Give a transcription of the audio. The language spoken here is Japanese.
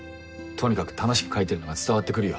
とにかく楽しく描いてるのが伝わってくるよ。